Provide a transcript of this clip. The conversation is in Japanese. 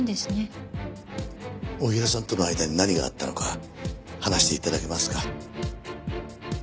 太平さんとの間に何があったのか話して頂けますか？